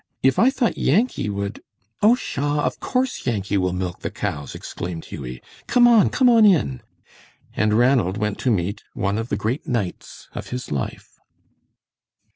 If I thought Yankee would " "Oh, pshaw! Of course Yankee will milk the cows," exclaimed Hughie. "Come on, come on in. And Ranald went to meet one of the great nights of his life.